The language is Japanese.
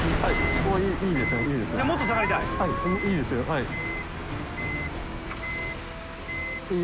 はい。